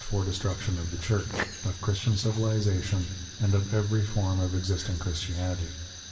for the wished for destruction of the Church, of Christian civilization, and of every form of existing Christianity.